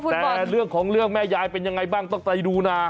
แต่เรื่องของเรื่องแม่ยายเป็นยังไงบ้างต้องไปดูนะ